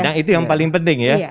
nah itu yang paling penting ya